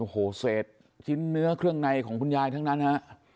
โอ้โหเศษชิ้นเนื้อเครื่องในของคุณยายทั้งนั้นฮะ